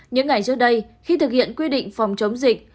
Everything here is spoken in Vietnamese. những ngày trước đây khi thực hiện quy định phòng chống dịch